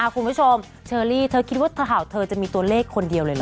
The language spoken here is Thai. คุณผู้ชมเชอรี่เธอคิดว่าข่าวเธอจะมีตัวเลขคนเดียวเลยเหรอ